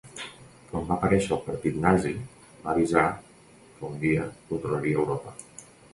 Quan va aparèixer el partit nazi, va avisar que un dia controlaria Europa.